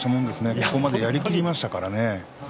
ここまでやりきりましたからね。